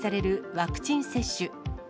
ワクチン接種。